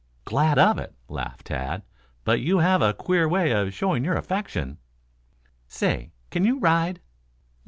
"Glad of it," laughed Tad. "But you have a queer way of showing your affection." "Say, can you ride?"